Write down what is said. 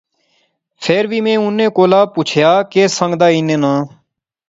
فیر وی میں انیں کولا پچھیا۔۔۔ کہہ سنگ دا انے ناں؟